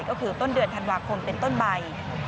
ก็คือต้นเดือนธันวาคมเป็นต้นใบ